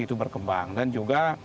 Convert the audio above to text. itu berkembang dan juga